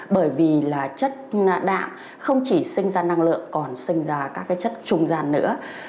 bởi vì là chất đạm không chỉ sinh ra năng lượng còn sinh ra các chất trung gian nữa